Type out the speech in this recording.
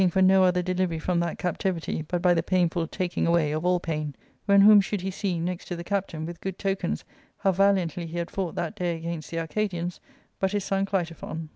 for no other delivery from that captivity but by the painful , Jtaking away of all pain, when whom should he see next to *^ithe captain, with good tokens how valiantly he had fought fchat day against the Arcadians, but his son Clitophon